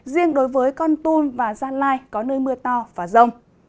riêng đối với con tum và gia lai có nơi mưa to và rông